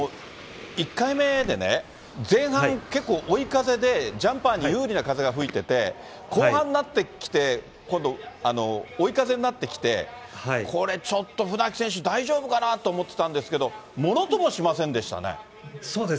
１回目でね、前半結構、追い風で、ジャンパーに有利な風が吹いてて、後半になってきて、今度、追い風になっていて、これ、ちょっと船木選手、大丈夫かなと思ってたんですけど、そうですね。